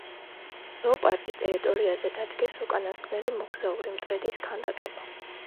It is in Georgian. ზოოპარკის ტერიტორიაზე დადგეს უკანასკნელი მოგზაური მტრედის ქანდაკება.